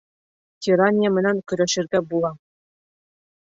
Тирания менән көрәшергә була.